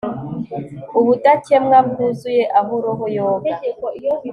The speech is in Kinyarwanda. Ubudakemwa bwuzuye aho roho yoga